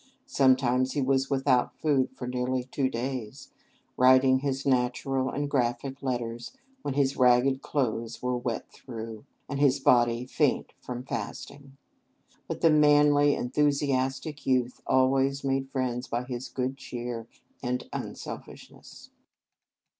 Sometimes he was without food for nearly two days, writing his natural and graphic letters when his ragged clothes were wet through, and his body faint from fasting. But the manly, enthusiastic youth always made friends by his good cheer and unselfishness.